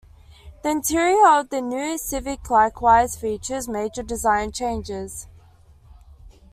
The interior of the new Civic likewise features major design changes.